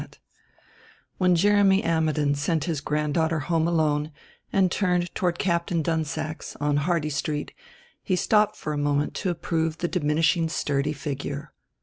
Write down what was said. II When Jeremy Ammidon sent his granddaughter home alone, and turned toward Captain Dunsack's, on Hardy Street, he stopped for a moment to approve the diminishing sturdy figure.